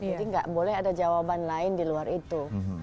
nggak boleh ada jawaban lain di luar itu